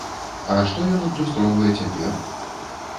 А што ён адлюстроўвае цяпер?